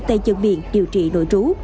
tây trường viện điều trị nội trú